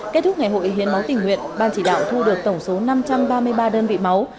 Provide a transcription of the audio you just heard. kết thúc ngày hội hiến máu tình nguyện ban chỉ đạo thu được tổng số năm trăm ba mươi ba đơn vị máu